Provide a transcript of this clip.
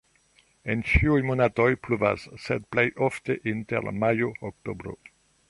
En ĉiuj monatoj pluvas, sed plej ofte inter majo-oktobro.